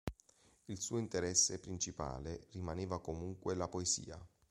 Il suo interesse principale rimaneva comunque la poesia.